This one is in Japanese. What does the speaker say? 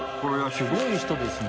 すごい人ですね。